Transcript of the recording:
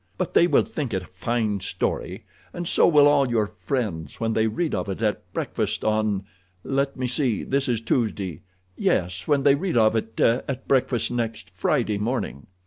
But they will think it a fine story, and so will all your friends when they read of it at breakfast on—let me see, this is Tuesday—yes, when they read of it at breakfast next Friday morning.